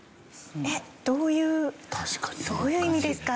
えっどういうどういう意味ですか？